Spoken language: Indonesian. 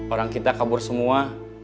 orang kita kabur semua